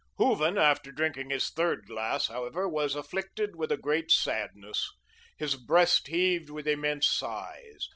Hooven, after drinking his third glass, however, was afflicted with a great sadness; his breast heaved with immense sighs.